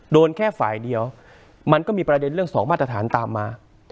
โดนแค่ฝ่ายเดียวมันก็มีประเด็นเรื่องสองมาตรฐานตามมา